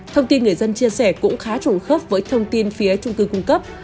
thông tin người dân chia sẻ cũng khá trùng khớp với thông tin phía trung cư cung cấp